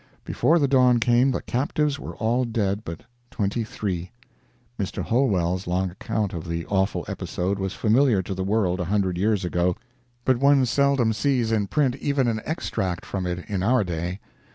Before the dawn came, the captives were all dead but twenty three. Mr. Holwell's long account of the awful episode was familiar to the world a hundred years ago, but one seldom sees in print even an extract from it in our day.